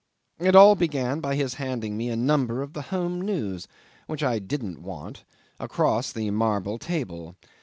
It all began by his handing me a number of Home News, which I didn't want, across the marble table.